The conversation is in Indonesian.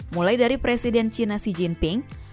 mulai dari presiden cina xi jinping